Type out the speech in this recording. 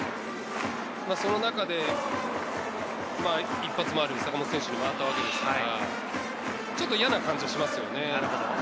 その中で、一発もある坂本選手に回ったわけですから、ちょっと嫌な感じはしますよね。